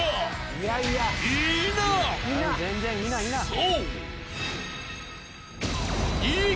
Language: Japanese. ［そう］